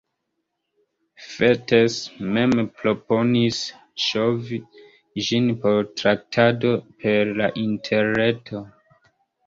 Fettes mem proponis ŝovi ĝin por traktado per la interreto.